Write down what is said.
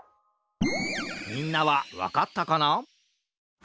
みんなはわかったかな？